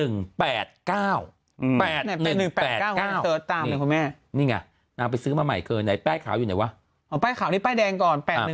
๘๑๘๙นี่ไงนางไปซื้อมาใหม่เคยไหนแป้งขาวอยู่ไหนวะอ๋อแป้งขาวนี่แป้งแดงก่อน๘๑๘๙